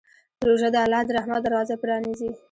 روژه د الله د رحمت دروازه پرانیزي.